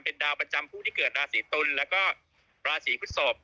ดาวประจำผู้ที่เกิดราศีตุลแล้วก็ราศีพฤศพ